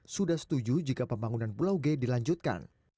sudah setuju jika pembangunan pulau g dilanjutkan